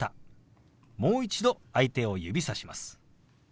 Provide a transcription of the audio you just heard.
もう一度相手を指さします。